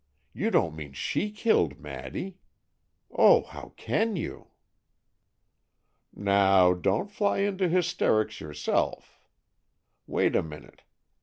You don't mean she killed Maddy! Oh, how can you?" "Now, don't fly into hysterics yourself. Wait a minute.